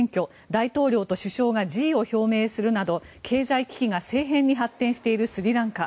大統領と首相が辞意を表明するなど経済危機が政変に発展しているスリランカ。